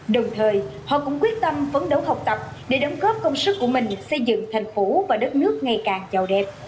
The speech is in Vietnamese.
đồng thời họ cũng quyết tâm phấn đấu học tập để đóng góp công sức của mình xây dựng thành phố và đất nước ngày càng giàu đẹp